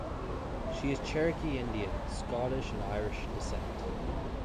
She is of Cherokee Indian, Scottish and Irish descent.